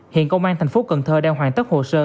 hiện công an thành phố cần thơ đang hoàn tất hồ sơ